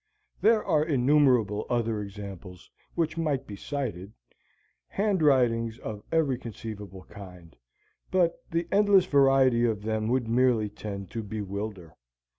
There are innumerable other examples which might be cited, handwritings of every conceivable kind; but the endless variety of them would merely tend to bewilder.